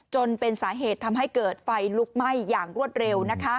จนเป็นสาเหตุทำให้เกิดไฟลุกไหม้อย่างรวดเร็ว